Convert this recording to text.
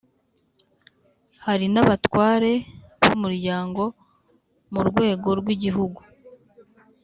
hari n’abatware b’umuryango murwego rw’igihugu